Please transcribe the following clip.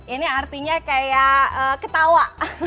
ini artinya kayak ketawa